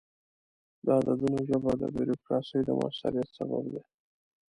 د عددونو ژبه د بروکراسي د موثریت سبب ده.